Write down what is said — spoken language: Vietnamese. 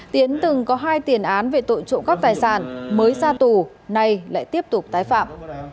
tiến từng có hai tiền án về tội trộm cắp tài sản mới ra tù nay lại tiếp tục tái phạm